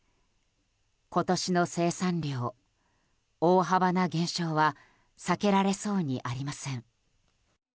今年の生産量、大幅な減少は避けられそうにありません。